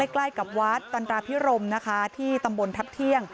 ใกล้กับวัดตราพิรมที่ตำบลทัพเที่ยง